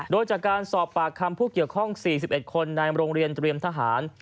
โดยจากการสอบปากคำผู้เกี่ยวข้อง๔๑คนในโรงเรียนเตรียมทหาร